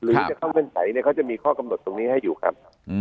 หรือจะเข้าเงื่อนไขเนี่ยเขาจะมีข้อกำหนดตรงนี้ให้อยู่ครับ